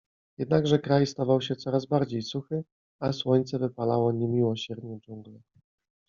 Jednakże kraj stawał się coraz bardziej suchy, a słońce wypalało niemiłosiernie dżunglę.